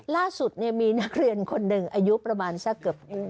ล่าสุดมีนักเรียนคนหนึ่งอายุประมาณสักเกือบ